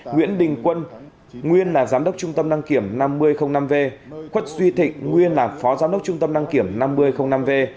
nguyễn đình quân nguyên là giám đốc trung tâm đăng kiểm năm mươi năm v quất duy thịnh nguyên là phó giám đốc trung tâm đăng kiểm năm mươi năm v